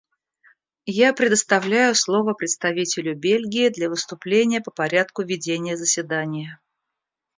Я предоставляю слово представителю Бельгии для выступления по порядку ведения заседания.